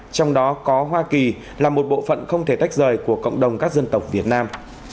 trong đó có hoa kỳ là một bộ phận không thể tách rời của cộng đồng các dân tộc việt nam